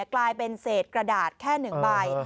กลายเป็นเศษกระดาษแค่๑ใบ